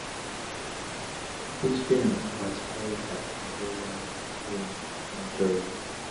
His funeral was held at Golders Green Crematorium.